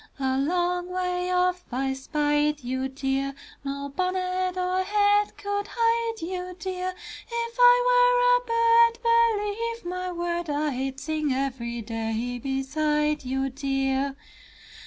A long way off I spied you, Dear, No bonnet or hat could hide you, Dear, If I were a Bird, Believe my word, I'd sing every day beside you, Dear.